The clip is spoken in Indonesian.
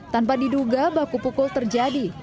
tanpa diduga baku pukul terjadi